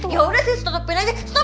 ya sudah saya berhenti